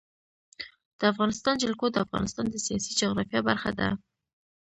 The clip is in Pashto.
د افغانستان جلکو د افغانستان د سیاسي جغرافیه برخه ده.